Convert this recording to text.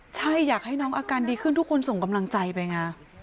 ใช่อยากให้น้องอาการดีขึ้นทุกคนส่งกำลังใจไปไง